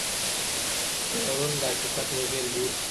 هېرول د حقیقت وژل دي.